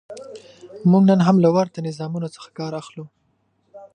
موږ نن هم له ورته نظامونو څخه کار اخلو.